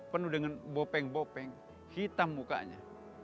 penuh dengan bopeng bopeng hitam mukanya